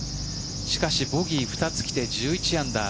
しかし、ボギーが２つ来て１１アンダー。